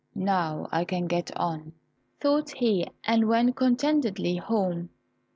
"Now I can get on," thought he, and went contentedly home.